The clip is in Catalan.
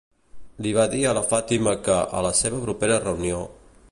Li va dir a la Fatima que, a la seva propera reunió,